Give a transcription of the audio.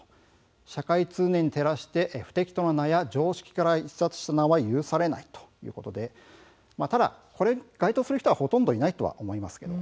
社会通念に照らして不適当な名や常識から逸脱した名は許されないということでただこれに該当する人はほとんどいないと思われます。